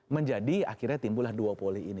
menjadi akhirnya timbulnya duopoly ini